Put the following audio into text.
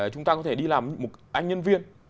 chúng ta có thể đi làm một anh nhân viên